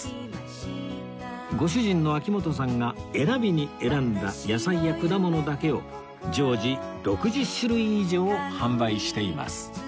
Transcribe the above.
ご主人の秋元さんが選びに選んだ野菜や果物だけを常時６０種類以上販売しています